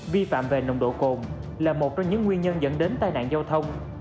vi phạm về nồng độ cồn là một trong những nguyên nhân dẫn đến tai nạn giao thông